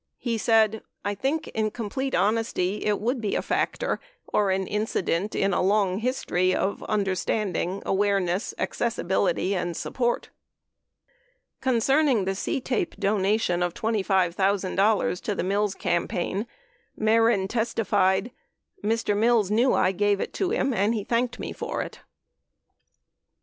He said : "I think, in complete honesty, it would be a factor or an incident in a long history of understanding, awareness, accessibility and support." 17 Concerning the CTAPE donation of $25,000 to the Mills campaign, Mehren testified : "Mr. Mills knew I gave it to him, and he thanked me for it.